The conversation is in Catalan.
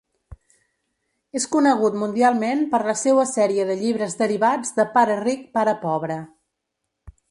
És conegut mundialment per la seua sèrie de llibres derivats de Pare Ric, Pare Pobre.